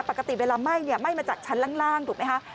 ปกติเวลาไหม้ไหม้มาจากชั้นล่างถูกไหมคะ